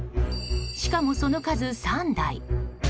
しかも、その数３台！